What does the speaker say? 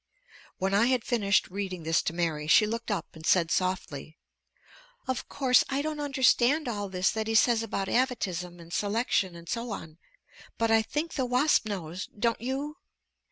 When I had finished reading this to Mary she looked up and said softly: "Of course I don't understand all this that he says about 'avatism and selection' and so on, but I think the wasp knows. Don't you?"